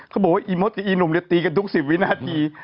เขาบอกว่าอีมดอีหนุ่มตีกันทุก๑๐วินาที